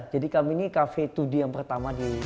jadi kami ini cafe dua d yang pertama